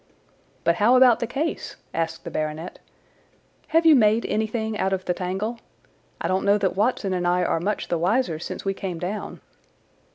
"But how about the case?" asked the baronet. "Have you made anything out of the tangle? I don't know that Watson and I are much the wiser since we came down."